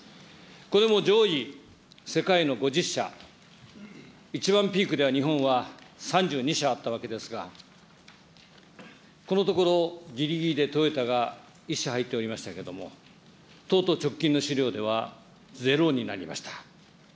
これも上位世界の５０社、一番ピークでは日本は３２社あったわけですが、このところぎりぎりで、トヨタが１社入っておりましたけれども、とうとう直近の資料ではゼロになりました。